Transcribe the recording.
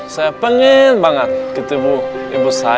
saya pengen banget ketemu ibu saya